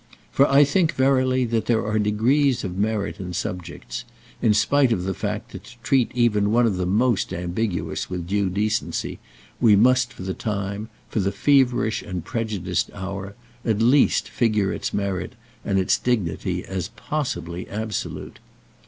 For I think, verily, that there are degrees of merit in subjects—in spite of the fact that to treat even one of the most ambiguous with due decency we must for the time, for the feverish and prejudiced hour, at least figure its merit and its dignity as possibly absolute.